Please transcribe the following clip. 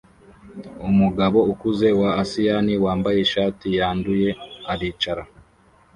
Umugabo ukuze wa asiyani wambaye ishati yanduye aricara